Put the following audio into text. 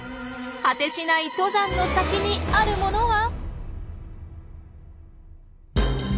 果てしない登山の先にあるものは？